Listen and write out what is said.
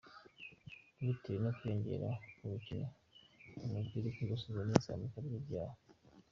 Bitewe no kwiyongera kubukene , uyu mujyi uri kwibasirwa n’izamuka ry’ibyaha.